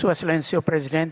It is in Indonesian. dari tuan dan tuan presiden